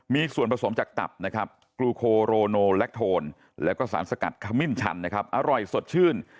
มีส่วนผสมจากตับนะครับแล้วก็สารสกัดขมิ้นชันนะครับอร่อยสดชื่น